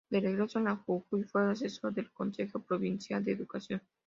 De regreso en Jujuy fue asesor del Consejo provincial de Educación.